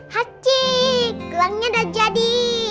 haci gelangnya udah jadi